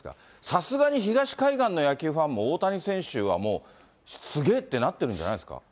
さすがに東海岸の野球ファンも、大谷選手はもう、すげーってなってるんじゃないですか？